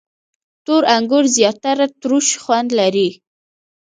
• تور انګور زیاتره تروش خوند لري.